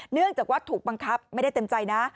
เนื่องจากว่าถูกบังคับไม่ได้เต็มใจนะ